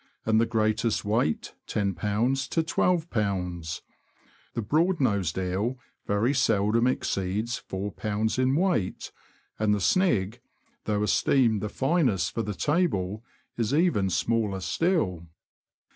and the greatest weight, lolb. to I2lb. The broad nosed eel very seldom exceeds 41b. in weight ; and the snig, though esteemed the finest for the table, is even smaller still.